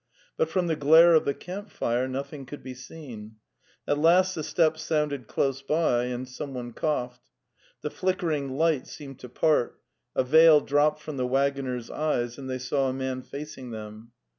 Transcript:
But from the glare of the camp fire noth ing could be seen. At last the steps sounded close by, and someone coughed. The flickering light seemed to part; a veil dropped from the waggoners' eyes, and they saw a man facing them.